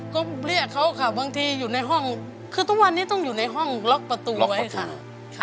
ก็เรียกเขาค่ะบางทีอยู่ในห้องคือทุกวันนี้ต้องอยู่ในห้องล็อกประตูไว้ค่ะ